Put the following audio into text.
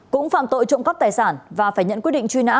cũng phạm tội trộm cắp tài sản và phải nhận quyết định truy nã